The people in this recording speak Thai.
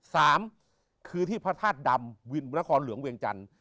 สามคือที่พระธาตุดำวินนครเหลืองเวียงจันทร์